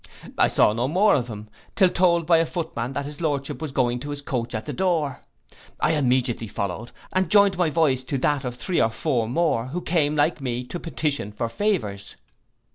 I saw no more of him, till told by a footman that his lordship was going to his coach at the door. Down I immediately followed, and joined my voice to that of three or four more, who came, like me, to petition for favours.